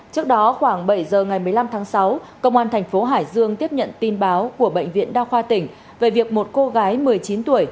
trước đó khoảng bảy giờ ngày một mươi năm tháng sáu công an thành phố hải dương tiếp nhận tin báo của bệnh viện đa khoa tỉnh về việc một cô gái một mươi chín tuổi